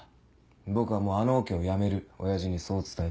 僕はもうあのオケを辞める親父にそう伝えて。